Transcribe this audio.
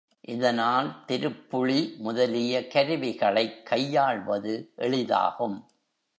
இதனால் திருப்புளி முதலிய கருவிகளைக் கையாள்வது எளிதாகும்.